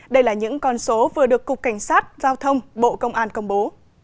đây là những con số vừa được cục cảnh sát giao thông bộ công an công bố